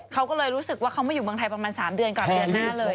เขาก็เลยรู้สึกว่าเขามาอยู่เมืองไทยประมาณ๓เดือนก่อนเดือนหน้าเลย